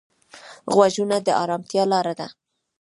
غوږونه د ارامتیا لاره ده